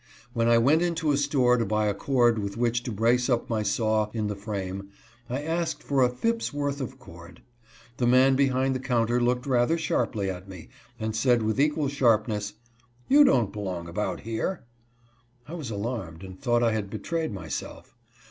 When I went into a store to buy a cord with which to brace up my saw in the frame, I asked for a "ftp's" worth of cord. The man behind the counter looked rather sharply at me and said with equal sharpness, " You don't belong about here." I was alarmed, and thought I had betrayed myself.